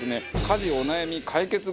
家事お悩み解決グッズ